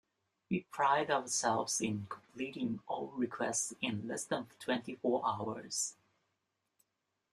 We pride ourselves in completing all requests in less than twenty four hours.